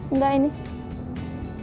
enggak enggak nunggu